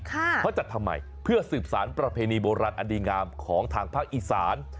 เขาจัดทำไมเพื่อสืบสารประเพณีโบราณอดีงามของทางภาคอีสาน